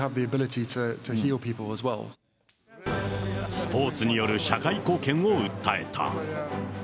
スポーツによる社会貢献を訴えた。